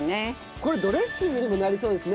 これドレッシングにもなりそうですね。